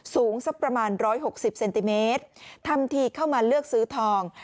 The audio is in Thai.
สูงสักประมาณ๑๖๐เซนติเมตรทำทีเข้ามาเลือกซื้อทอง